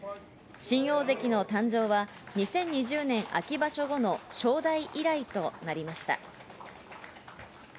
新大関の誕生は２０２０年秋場所後の正代以来となりました。